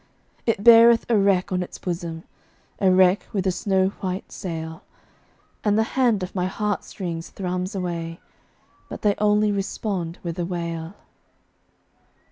It beareth a wreck on its bosom, A wreck with a snow white sail; And the hand on my heart strings thrums away, But they only respond with a wail.